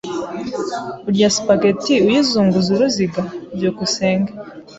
Urya spaghetti uyizunguza uruziga? byukusenge